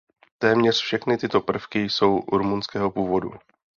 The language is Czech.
Téměř všechny tyto prvky jsou rumunského původu.